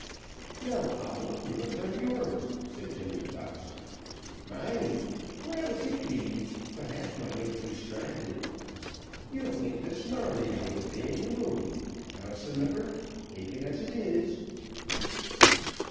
"Now, Coble, we must have yours," said Jemmy Ducks. "Mine! well, if you please: but half my notes are stranded. You'll think that Snarleyyow is baying the moon: howsomever, take it as it is."